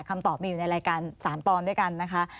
คำตอบมีอยู่ในรายการ๓ตอนด้วยกันนะคะ